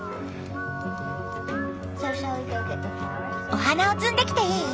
お花を摘んできていい？